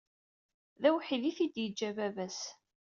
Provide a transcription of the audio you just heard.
D awḥid i t-id yeǧǧa baba-s.